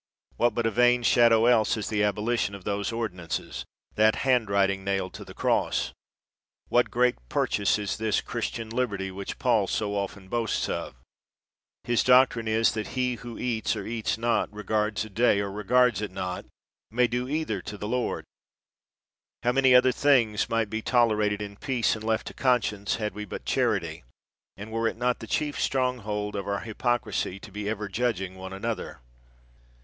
What but a vain shadow else is the abolition of those ordinances, that handwriting nailed to the cross? What great purchase is this Christian liberty which Paul so often boasts of ? His doc trine is, that he who eats or eats not, regards a day or regards it not, may do either to the Lord. How many other things might be tolerated in peace, and left to conscience, had we but charity, and were it not the chief stronghold of our hy pocrisy to be ever judging one another